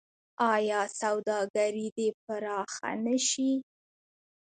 آیا سوداګري دې پراخه نشي؟